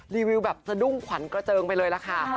รีวิวแบบสะดุ้งขวัญกระเจิงไปเลยล่ะค่ะ